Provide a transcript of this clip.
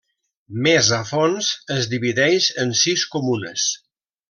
Més a fons es divideix en sis comunes.